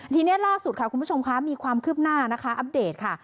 ทีนี้ล่าสุดค่ะคุณผู้ชมคะมีความคืบหน้านะคะอัปเดตค่ะ